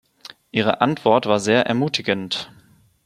Ihre Antwort war sehr ermutigend.